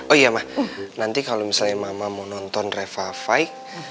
oh iya mah nanti kalau misalnya mama mau nonton reva lima